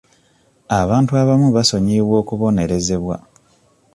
Abantu abamu basonyiyibwa okubonerezebwa.